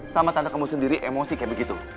sama tanda kamu sendiri emosi kayak begitu